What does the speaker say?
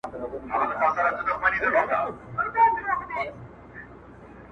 نه تړم مړوند دا ستا د لاس په هـغـه ســره دســــمــــــال.